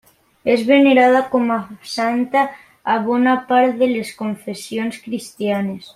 És venerada com a santa a bona part de les confessions cristianes.